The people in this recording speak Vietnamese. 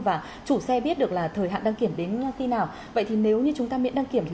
và chủ xe biết được là thời hạn đăng kiểm đến khi nào vậy thì nếu như chúng ta miễn đăng kiểm thì